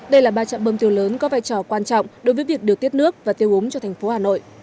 đây là ba trạm bơm tiêu lớn có vai trò quan trọng đối với việc điều tiết nước và tiêu úng cho thành phố hà nội